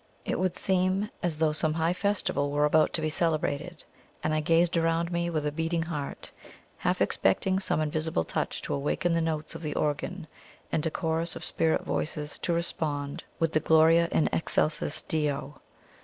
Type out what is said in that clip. It would seem as though some high festival were about to be celebrated, and I gazed around me with a beating heart, half expecting some invisible touch to awaken the notes of the organ and a chorus of spirit voices to respond with the "Gloria in excelsis Deo!"